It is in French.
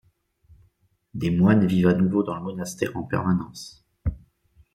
Des moines vivent à nouveau dans le monastère en permanence.